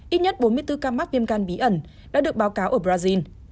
ít nhất bốn mươi bốn ca mắc viêm gan bí ẩn đã được báo cáo ở brazil